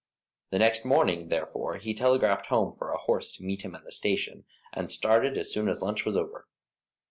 The next morning, therefore, he telegraphed home for a horse to meet him at the station, and started as soon as lunch was over.